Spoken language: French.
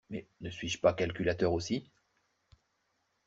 Mais ne suis-je pas calculateur aussi?